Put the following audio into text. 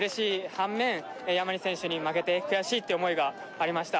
反面山西選手に負けて悔しいっていう思いがありました